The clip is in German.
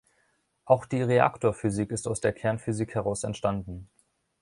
Auch die Reaktorphysik ist aus der Kernphysik heraus entstanden.